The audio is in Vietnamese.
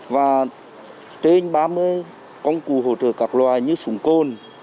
và trên ba mươi công cụ hỗ trợ các loài như súng côn